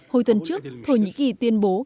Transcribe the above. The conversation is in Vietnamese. hồi tuần trước thổ nhĩ kỳ tuyên bố